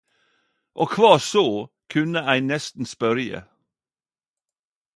Og kva så - kunne ein nesten spørje.